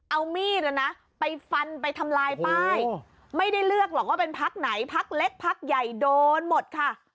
เอามีดนะนะไปฟันไปทำลายป้ายไม่ได้เลือกหรอกว่าเป็นพักไหนพักเล็กพักใหญ่โดนหมดค่ะ